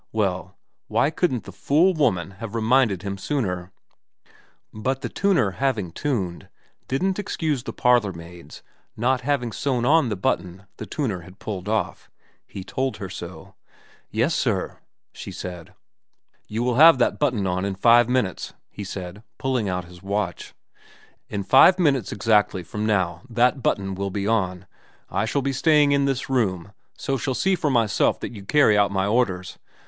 Well, why couldn't the fool woman have reminded him sooner ? But the tuner having tuned didn't excuse the parlourmaid's not having sewn on the button the tuner had pulled off. He told her so. ' Yes sir,' she said. in VERA 235 ' You will have that button on in five minutes,' he said, pulling out his watch. ' In five minutes exactly from now that button will be on. I shall be staying in this room, so shall see for myself that you carry out my orders.'